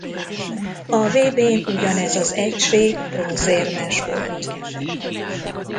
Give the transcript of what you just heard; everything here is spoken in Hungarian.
A vb-n ugyanez az egység bronzérmes volt.